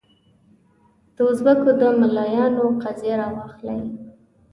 دوزبکو د ملایانو قضیه راواخلې.